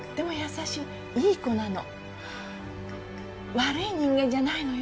悪い人間じゃないのよ